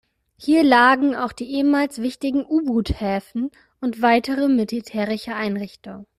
Hier lagen auch die ehemals wichtigen U-Boot Häfen und weitere militärische Einrichtungen.